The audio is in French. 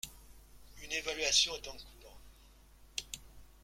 Une évaluation est en cours.